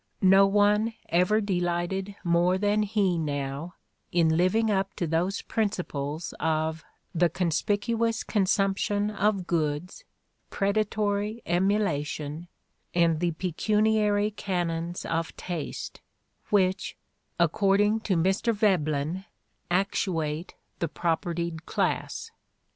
No one ever delighted more than he now in living up to those principles of "the conspicuous con sumption of goods," "predatory emulation" and "the pecuniary canons of taste" which, according to Mr. Veblen, actuate the propertied class.